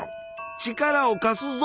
力を貸すぞ！